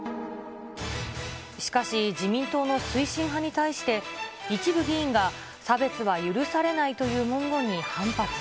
しかし、自民党の推進派に対して、一部議員が差別は許されないという文言に反発。